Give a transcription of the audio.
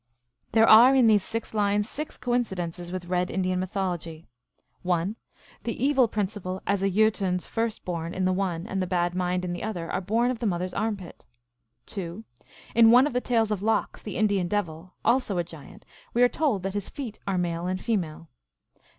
There are in these six lines six coincidences with red Indian mythology : (1.) The Evil principle as a Jb tun s first born in the one and the Bad Mind in the other are born of the mother s armpit. (2.) In one of the tales of Lox, the Indian devil, also a giant, we are told that his feet are male and female.